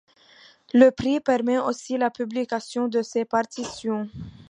Le prix permet aussi la publication de ses partitions.